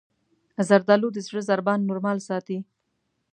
زردالو د زړه ضربان نورمال ساتي.